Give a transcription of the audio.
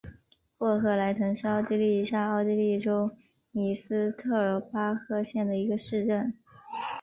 霍赫莱滕是奥地利下奥地利州米斯特尔巴赫县的一个市镇。